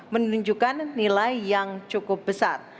menunjukkan nilai yang cukup besar